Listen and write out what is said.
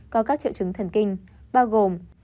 có các triệu chứng thần kinh bao gồm